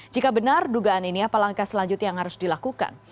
jika benar dugaan ini apa langkah selanjutnya yang harus dilakukan